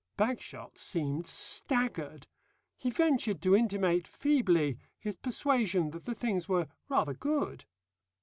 Bagshot seemed staggered. He ventured to intimate feebly his persuasion that the things were rather good.